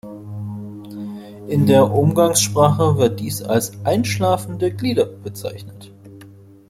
In der Umgangssprache wird dies als "Einschlafen der Glieder" bezeichnet.